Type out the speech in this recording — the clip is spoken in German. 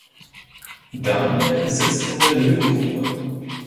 Daniel sitzt in der Löwengrube.